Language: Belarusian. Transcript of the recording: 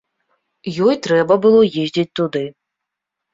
Ёй трэба было ездзіць туды.